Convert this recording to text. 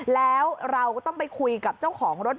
แล้วเราก็ต้องไปคุยกับเจ้าของรถ